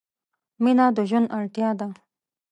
مینه د ژوند اړتیا ده.